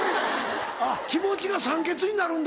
あっ気持ちが酸欠になるんだ。